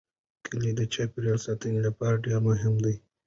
کلي د چاپیریال ساتنې لپاره ډېر مهم دي.